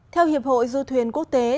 theo hiệp hội du thuyền quốc tế